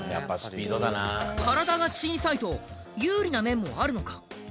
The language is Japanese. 体が小さいと有利な面もあるのか？